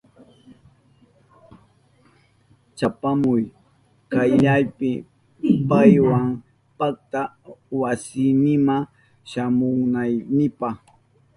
Chapamuy kayllapi paywa pakta wasinima shamunaykipa.